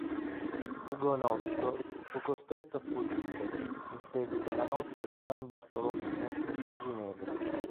Ugonotto, fu costretto a fuggire, in seguito alla Notte di San Bartolomeo, a Ginevra.